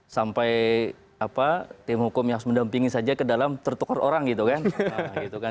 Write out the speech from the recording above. sampai tim hukum yang harus mendampingi saja ke dalam tertukar orang gitu kan